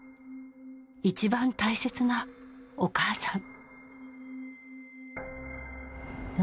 一番大切なお母さん。